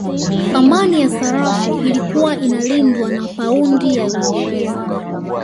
Thamani ya sarafu ilikuwa inalindwa na paundi ya Uingereza